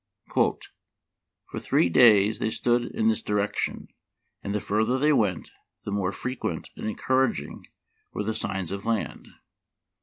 —" For three days they stood in this direction, and the further they went the more frequent and encouraging were the signs of land.